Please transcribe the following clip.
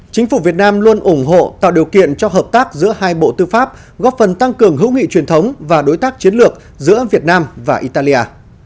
chính phủ việt nam luôn ủng hộ tạo điều kiện cho hợp tác giữa hai bộ tư pháp góp phần tăng cường hữu nghị truyền thống và đối tác chiến lược giữa việt nam và italia